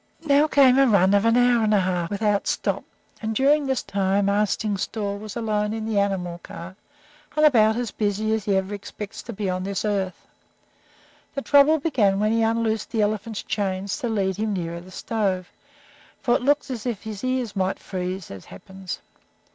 Now came a run of an hour and a half without stop, and during this time Arstingstall was alone in the animal car, and about as busy as he ever expects to be on this earth. The trouble began when he unloosed the elephant's chains to lead him nearer the stove, for it looked as if his ears might freeze, as happens.